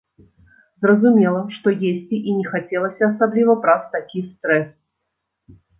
Зразумела, што есці і не хацелася асабліва праз такі стрэс.